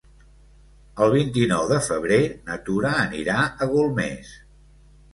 El vint-i-nou de febrer na Tura anirà a Golmés.